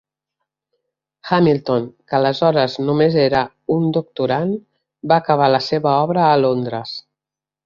Hamilton, que aleshores només era un doctorand, va acabar la seva obra a Londres.